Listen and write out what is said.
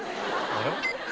あれ？